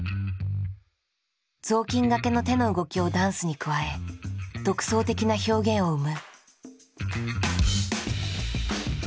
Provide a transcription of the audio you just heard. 雑巾がけの手の動きをダンスに加え独創的な表現を生む。